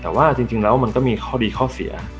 แต่ว่าจริงแล้วมันก็มีข้อดีข้อเสีย